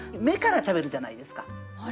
目から食べるじゃないですか。